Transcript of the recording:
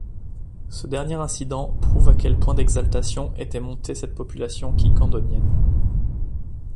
Ce dernier incident prouve à quel point d’exaltation était montée cette population quiquendonienne.